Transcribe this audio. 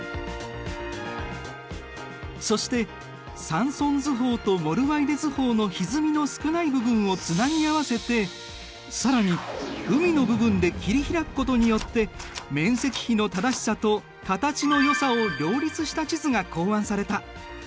そしてサンソン図法とモルワイデ図法のひずみの少ない部分をつなぎ合わせて更に海の部分で切り開くことによって面積比の正しさと形のよさを両立した地図が考案された。